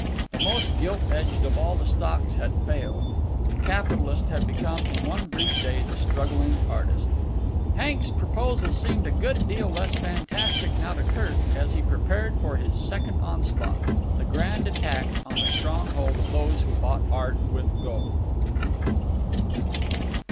The most gilt edged of all the stocks had failed. The capitalist had become in one brief day the struggling artist. Hank's proposal seemed a good deal less fantastic now to Kirk as he prepared for his second onslaught, the grand attack, on the stronghold of those who bought art with gold.